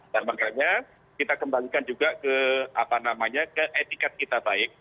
dan makanya kita kembangkan juga ke etikat kita baik